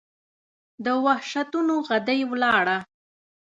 د وحشتونو ، غدۍ وَلاړه